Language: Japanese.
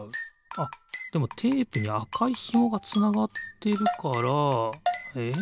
あっでもテープにあかいひもがつながってるからえっ？